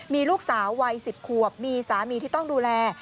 มีลูกสาววัย๑๐ขวบมีสามีที่ต้องดูแล